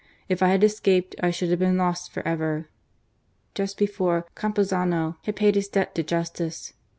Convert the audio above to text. If I had escaped I should have been lost for ever." Just before, Campuzano had paid his debt to justice.